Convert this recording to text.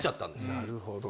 なるほど。